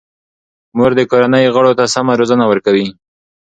مور د کورنۍ غړو ته سمه روزنه ورکوي.